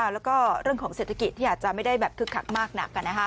แล้วก็เรื่องของเศรษฐกิจที่อาจจะไม่ได้แบบคึกคักมากหนัก